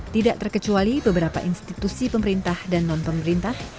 tidak terkecuali beberapa institusi pemerintah dan non pemerintah